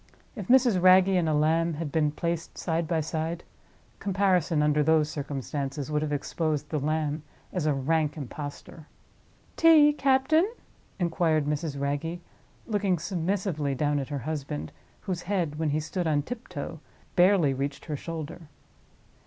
If Mrs. Wragge and a lamb had been placed side by side, comparison, under those circumstances, would have exposed the lamb as a rank impostor. "Tea, captain?" inquired Mrs. Wragge, looking submissively down at her husband, whose head, when he stood on tiptoe, barely reached her shoulder.